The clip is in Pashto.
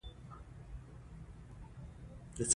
بل رقم خفه یم